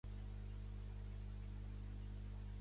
Gràcies per tanta voluntat de servei al país i la seva gent.